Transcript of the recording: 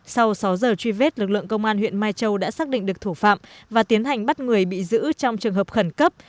sau sáu giờ truy vết lực lượng công an huyện mai châu đã xác định được thủ phạm và tiến hành bắt người bị giữ trong trường hợp khẩn cấp